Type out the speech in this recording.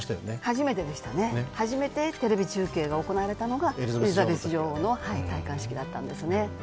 初めてでしたね、初めてテレビ中継が行われたのがエリザベス女王の戴冠式だったんですね。